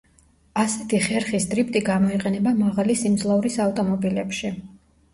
ასეთი ხერხის დრიფტი გამოიყენება მაღალი სიმძლავრის ავტომობილებში.